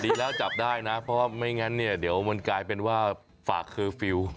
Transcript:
ดีแล้วจับได้นะเพราะว่าไม่งั้นเนี่ยเดี๋ยวมันกลายเป็นว่าฝากเคอร์ฟิลล์